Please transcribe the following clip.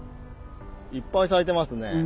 いっぱい咲いてますね。